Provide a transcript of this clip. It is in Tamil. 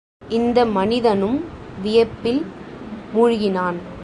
இந்த மனிதனும் வியப்பில் மூழ்கினான்.